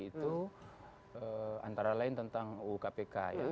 demonstrasi itu antara lain tentang ukpk